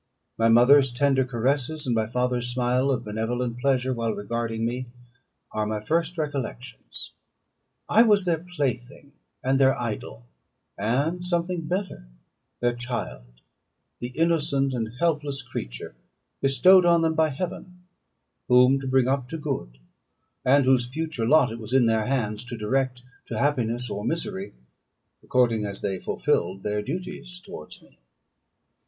My mother's tender caresses, and my father's smile of benevolent pleasure while regarding me, are my first recollections. I was their plaything and their idol, and something better their child, the innocent and helpless creature bestowed on them by Heaven, whom to bring up to good, and whose future lot it was in their hands to direct to happiness or misery, according as they fulfilled their duties towards me.